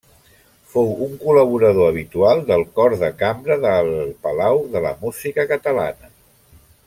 Fou un col·laborador habitual del Cor de Cambra del Palau de la Música Catalana.